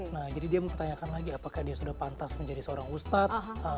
nah jadi dia mempertanyakan lagi apakah dia sudah pantas menjadi seorang ustadz